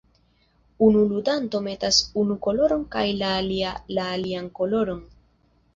Unu ludanto metas unu koloron kaj la alia la alian koloron.